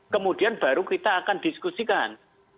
kemudian baru kita akan diskusikan